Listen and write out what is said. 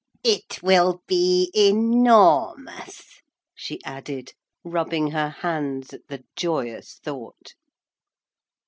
It will be enormous,' she added rubbing her hands at the joyous thought.